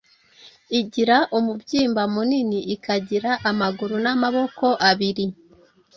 Igira umubyimba munini, ikagira amaguru n’amaboko abiri;